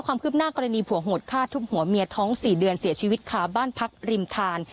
ความคืบหน้ากรณีผัวโหดฆ่าทุบหัวเมียท้อง๔เดือนเสียชีวิตคาบ้านพักริมทาน